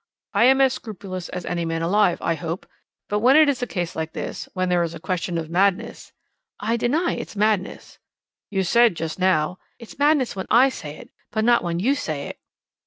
I am as scrupulous as any man alive, I hope; but when it is a case like this, when there is a question of madness " "I deny it's madness." "You said just now " "It's madness when I say it, but not when you say it."